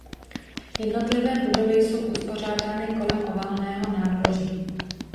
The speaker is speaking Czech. Jednotlivé budovy jsou uspořádány kolem oválného nádvoří.